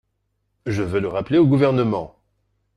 Je veux le rappeler au Gouvernement